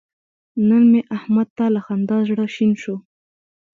نن مې احمد ته له خندا زړه شین شو.